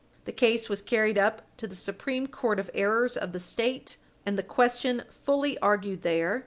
The case was carried up to the Supreme Court of Errors of the State, and the question fully argued there.